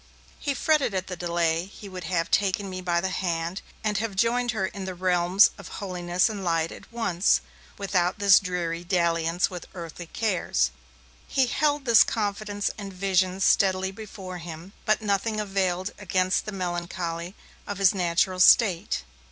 He fretted at the delay; he would have taken me by the hand, and have joined her in the realms of holiness and light, at once, without this dreary dalliance with earthly cares. He held this confidence and vision steadily before him, but nothing availed against the melancholy of his natural state.